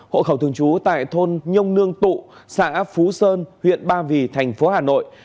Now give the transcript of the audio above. hộ khẩu thường trú tại thôn nhông nương tụ xã phú sơn huyện ba vì thành phố hà nội